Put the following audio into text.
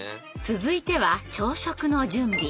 続いては朝食の準備。